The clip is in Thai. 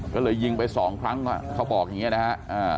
ก็เลยยิงไปสองครั้งเขาบอกอย่างนี้นะฮะ